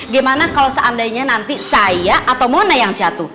gimana kalau seandainya nanti saya atau mana yang jatuh